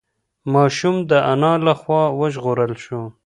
ماشوم د انا له خوا وژغورل شو.